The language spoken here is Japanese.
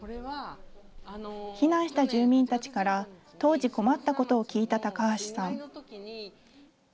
避難した住民たちから、当時、困ったことを聞いた高橋さん。